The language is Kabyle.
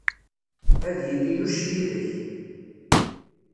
Ad yili Yuc yid-k.